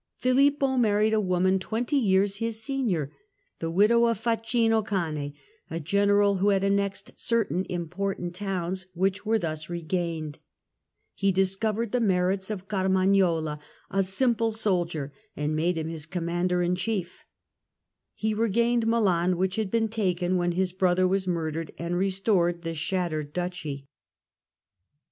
Filippo married a woman ^'^^'^ twenty years his senior, the widow of Facino Cane, a general who had annexed certain important towns, which were thus regained ; he discovered the merits of Carmagnola, a simple soldier, and made him his com mander in chief ; he regained Milan which had been taken when his brother was murdered, and restored the shattered Duchy.